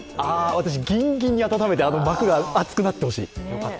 私、ギンギンに温めてあの膜が厚くなってほしい。